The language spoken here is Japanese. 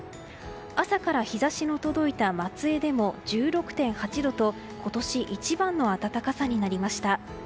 朝から日差しの届いた松江でも１６．８度と今年一番の暖かさになりました。